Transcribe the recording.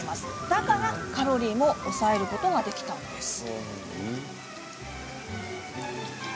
だからカロリーも抑えることができたんです。